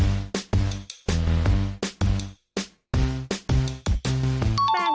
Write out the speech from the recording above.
คือนายอัศพรบวรวาชัยครับ